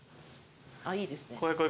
いいですね。